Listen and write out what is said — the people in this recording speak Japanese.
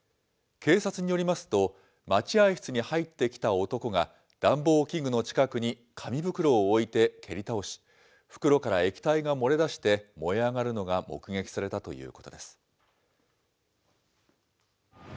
警察によりますと、待合室に入ってきた男が、暖房器具の近くに紙袋を置いて蹴り倒し、袋から液体が漏れ出して燃え上がるのが目撃されたということです。